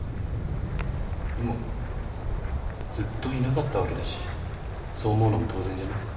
でもずっといなかったわけだしそう思うのも当然じゃない？